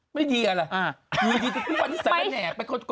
ไม่ดีอะไร